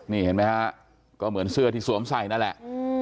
นี่เห็นไหมฮะก็เหมือนเสื้อที่สวมใส่นั่นแหละ